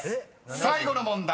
［最後の問題